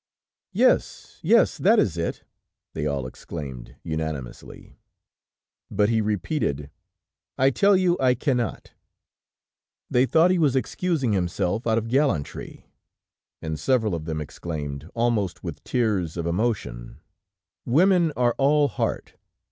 "Yes, yes, that is it!" they all exclaimed unanimously. But he repeated: "I tell you, I cannot." They thought he was excusing himself out of gallantry, and several of them exclaimed, almost with tears of emotion: "Women are all heart!"